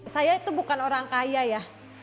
saya itu bukan orang kaya ya